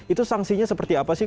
itu sanksinya seperti apa sih